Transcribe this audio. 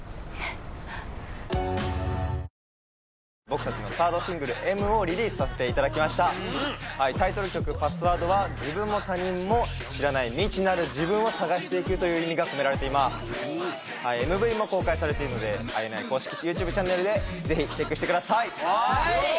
僕たちのサードシングル「Ｍ」をリリースさせていただきましたタイトル曲「Ｐａｓｓｗｏｒｄ」は自分も他人も知らない未知なる自分を探していくという意味が込められていますＭＶも公開されているのでＩＮＩ公式ＹｏｕＴｕｂｅチャンネルでぜひチェックしてくださいはい！